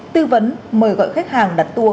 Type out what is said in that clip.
tư vấn mời gọi khách hàng đặt tour